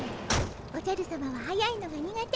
おじゃるさまははやいのが苦手。